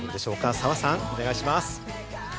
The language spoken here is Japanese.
澤さん、お願いします。